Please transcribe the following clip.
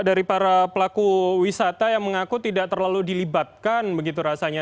dari para pelaku wisata yang mengaku tidak terlalu dilibatkan begitu rasanya